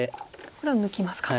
これは抜きますか。